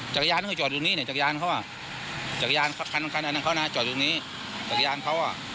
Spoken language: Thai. จักรยานเขาจอดตรงนี้จักรยานเขาจักรยานคันอันนั้นเขาจอดตรงนี้จักรยานเขา